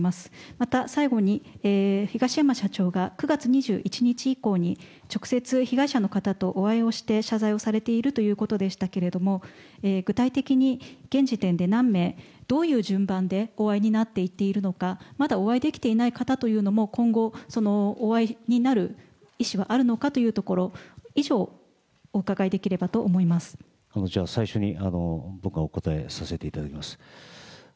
また最後に、東山社長が９月２１日以降に、直接被害者の方とお会いをして謝罪をされているということでしたけれども、具体的に現時点で何名、どういう順番でお会いになっていっているのか、まだお会いできていない方というのも今後、お会いになる意思はあるのかというところ、以上、じゃあ、最初に僕がお答えさせていただきます。